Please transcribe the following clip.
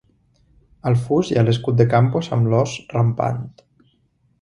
Al fus hi ha l'escut de Campos amb l'ós rampant.